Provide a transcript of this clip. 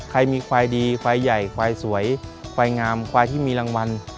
ใครมีควายดีควายใหญ่ควายสวยควายงามควายที่มีรางวัล